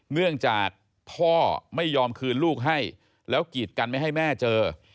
เนื่องจากพ่อไม่ยอมคืนลูกให้แล้วกีดกันไม่ให้แม่เจอ